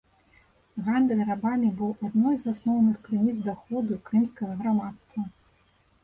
Гандаль рабамі быў адной з асноўных крыніц даходу крымскага грамадства.